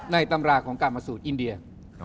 ในตำราของกราบมาสุทธิ์อินเดีย